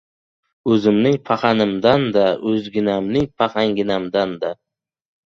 O‘zimning paxanimdan-da, o‘zginamning paxanginamdan-da!..